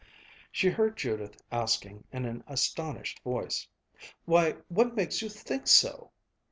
She heard Judith asking in an astonished voice, "Why, what makes you think so?"